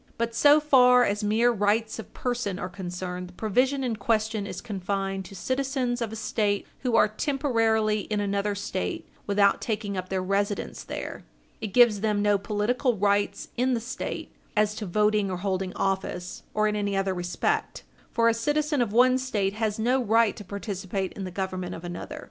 But so far as mere rights of person are concerned, the provision in question is confined to citizens of a State who are temporarily in another State without taking up their residence there. It gives them no political rights in the State as to voting or holding office, or in any other respect. For a citizen of one State has no right to participate in the government of another.